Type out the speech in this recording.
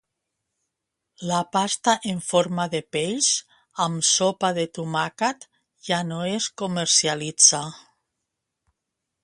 La pasta en forma de peix amb sopa de tomàquet ja no es comercialitza.